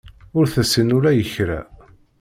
Ur tessin ula i kra.